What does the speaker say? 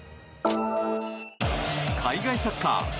海外サッカー。